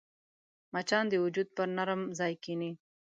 مچان د وجود پر نرم ځای کښېني